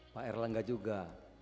pak erlangga juga